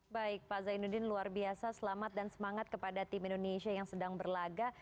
baik pak zainuddin luar biasa selamat dan semangat kepada tim indonesia yang sedang berlaga